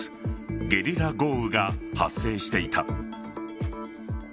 ゲリラ豪雨が発生していた。